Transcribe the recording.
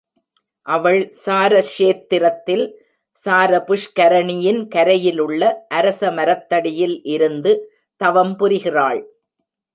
அவள் சாரக்ஷேத்திரத்தில் சார புஷ்கரணியின் கரையிலுள்ள அரச மரத்தடியில் இருந்து தவம் புரிகிறாள்.